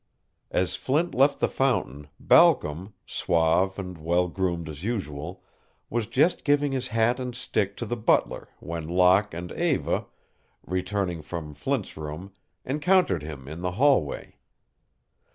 As Flint left the fountain Balcom, suave and well groomed as usual, was just giving his hat and stick to the butler when Locke and Eva, returning from Flint's room, encountered him in the hallway.